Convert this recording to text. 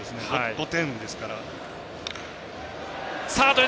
５点ですから。